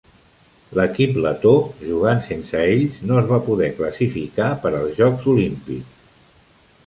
L'equip letó, jugant sense ells, no es va poder classificar per als Jocs Olímpics.